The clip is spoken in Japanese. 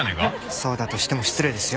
そうだとしても失礼ですよ。